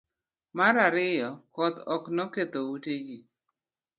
mar ariyo. koth ok noketho ute ji